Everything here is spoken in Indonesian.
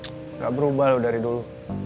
tidak berubah dari dulu